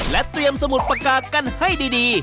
และเตรียมสมุดปากกากันให้ดี